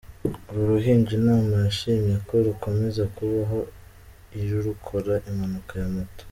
Uru ruhinja Imana yashimye ko rukomeza kubaho ,irurokora impanuka ya Moto.